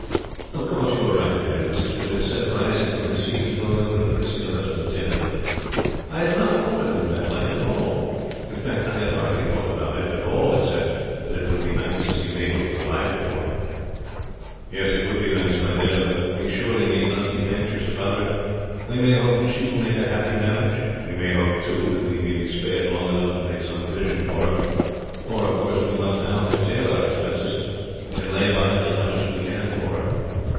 "Of course you are right, dear," Mrs. Withers said, rising from her seat and going over and kissing her husband tenderly. "I had not thought of it in that light at all. In fact I had hardly thought about it at all, except that it would be nice to see Mabel provided for." "It would be nice, my dear. But we surely need not be anxious about her. We may hope that she will make a happy marriage. We may hope too that we may be spared long enough to make some provision for her, for, of course, we must now curtail our expenses and lay by as much as we can for her.